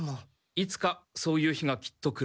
いつかそういう日がきっと来る。